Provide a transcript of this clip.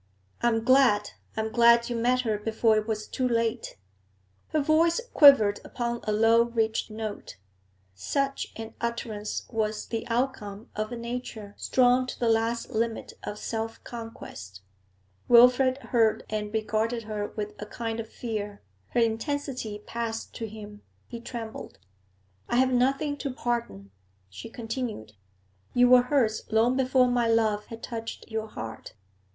'I am glad! I am glad you met her before it was too late!' Her voice quivered upon a low, rich note. Such an utterance was the outcome of a nature strong to the last limit of self conquest. Wilfrid heard and regarded her with a kind of fear; her intensity passed to him; he trembled. 'I have nothing to pardon,' she continued. 'You were hers long before my love had touched your heart.